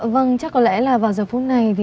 vâng chắc có lẽ là vào giờ phút này